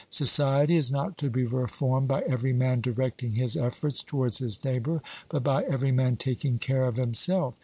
Society is not to be reformed by every man directing his efforts towards his neighbor, but by every man taking care of himself.